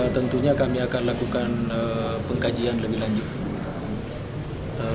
tentunya kami akan lakukan pengkajian lebih lanjut